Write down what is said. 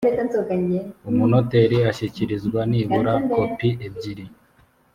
umunoteri ashyikirizwa nibura kopi ebyiri